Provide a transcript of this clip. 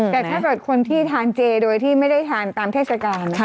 แต่ถ้าเกิดคนที่ทานเจโดยที่ไม่ได้ทานตามเทศกาล